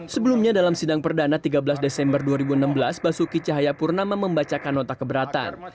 sebelumnya dalam sidang perdana tiga belas desember dua ribu enam belas basuki cahayapurnama membacakan nota keberatan